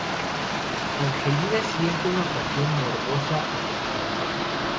Angelina siente una pasión morbosa hacia su marido.